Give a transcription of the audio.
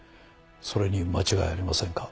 それに間違いありませんか？